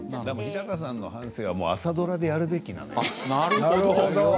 日高さんの人生は朝ドラでやるべきですよ。